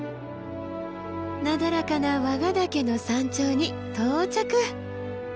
なだらかな和賀岳の山頂に到着！